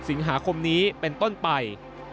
สิงหาคมนี้เป็นต้นไป